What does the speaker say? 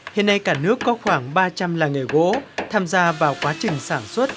hiện nay cả nước có khoảng ba trăm linh làng nghề gỗ tham gia vào quá trình sản xuất